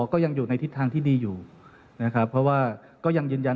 ก็ยังอยู่ในทิศทางที่ดีอยู่นะครับเพราะว่าก็ยังยืนยัน